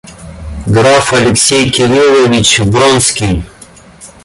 Граф Алексей Кириллович Вронский.